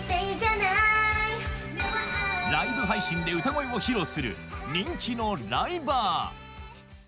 ライブ配信で歌声を披露する人気のライバー